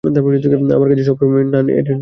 আমার কাজে সবসময় নান-এরই কেন মুখোমুখি হতে হয়?